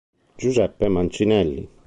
Giuseppe Mancinelli